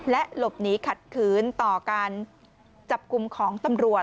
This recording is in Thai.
และหลบหนีขัดขืนต่อการจับกลุ่มของตำรวจ